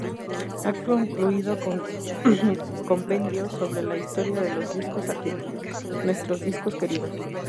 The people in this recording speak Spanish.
Ha concluido un compendio sobre la historia de los discos argentinos, "Nuestros discos queridos".